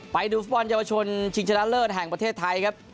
ไปดูฟุตบอลเยาวชนชิงชนะเลิศแห่งประเทศไทยครับ